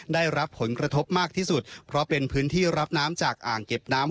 ได้รับผลกระทบมากที่สุดเพราะเป็นพื้นที่รับน้ำจากอ่างเก็บน้ำ